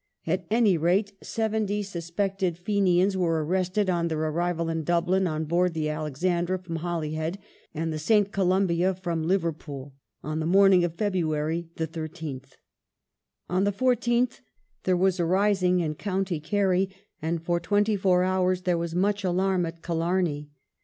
At any rate, seventy suspected Fenians were arrested on their arrival in Dublin on board the Alexandra from Holyhead and the S. Golumhia from Liverpool, on the morning of Wednesday the 13th. On the 14th there was a rising in County Kerry, and for twenty four hours there was much alarm at Killarney.